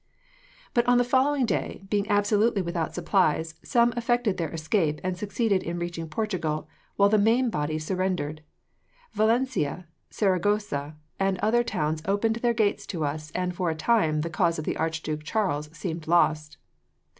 "But on the following day, being absolutely without supplies, some effected their escape and succeeded in reaching Portugal, while the main body surrendered. Valencia, Saragossa, and other towns opened their gates to us, and, for a time, the cause of the Archduke Charles seemed lost.